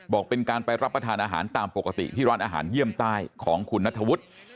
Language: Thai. บอกเป็นการไปรับประทานอาหารตามปกติที่ร้านอาหารเยี่ยมใต้ของคุณนัทธวุฒิ